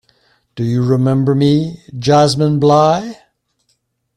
Do you remember me, Jasmine Bligh?